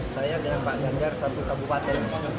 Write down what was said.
saya dengan pak ganjar satu kabupaten